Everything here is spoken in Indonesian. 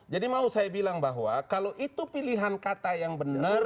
jadi mau saya bilang bahwa kalau itu pilihan kata yang benar